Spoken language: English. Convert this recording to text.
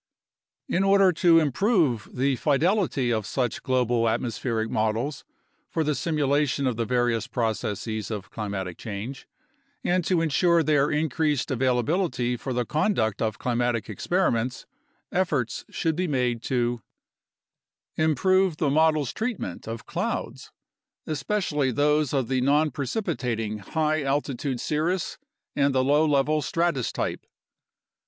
In order to improve the fidelity of such global atmospheric models for the simulation of the various processes of climatic change, and to ensure their increased availability for the conduct of climatic experi ments, efforts should be made to Improve the models' treatment of clouds, especially those of the nonprecipitating high altitude cirrus and the low level stratus type.